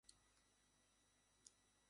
দাদা বললে, না।